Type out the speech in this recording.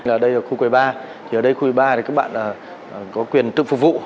ở đây là khu quầy bar thì ở đây khu quầy bar thì các bạn có quyền tự phục vụ